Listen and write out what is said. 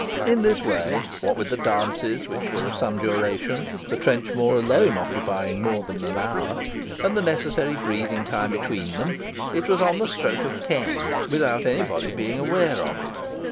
In this way, what with the dances, which were of some duration the trenchmore alone occupying more than an hour and the necessary breathing time between them, it was on the stroke of ten without any body being aware of it.